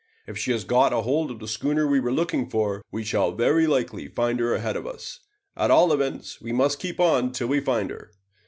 "If she has got hold of the schooner we were looking for, we shall very likely find her ahead of us; at all events we must keep on till we find her."